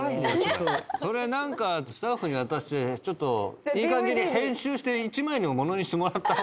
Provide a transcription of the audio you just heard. それ何かスタッフに渡してちょっといい感じに編集して１枚の物にしてもらった方が。